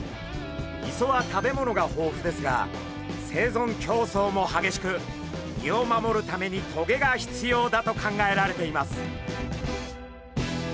磯は食べ物が豊富ですが生存競争も激しく身を守るために棘が必要だと考えられています。